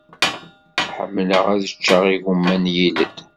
Ḥemmleɣ ad ččeɣ igumma n yilel.